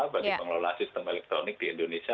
bagi pengelola sistem elektronik di indonesia